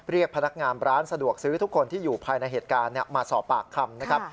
พนักงานร้านสะดวกซื้อทุกคนที่อยู่ภายในเหตุการณ์มาสอบปากคำนะครับ